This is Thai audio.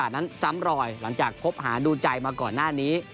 นั้นซ้ำรอยหลังจากคบหาดูใจมาก่อนหน้านี้